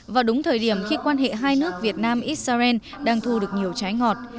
vào đúng thời điểm khi quan hệ hai nước việt nam israel đang thu được nhiều trái ngọt